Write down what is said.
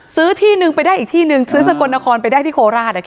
ซื้อที่หนึ่งไปได้อีกที่นึงซื้อสกลนครไปได้ที่โคราช